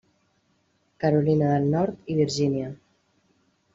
Carolina del Nord i Virgínia.